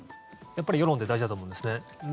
やっぱり世論って大事だと思うんですね。